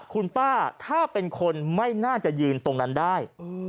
คุณป้าถ้าเป็นคนไม่น่าจะยืนตรงนั้นได้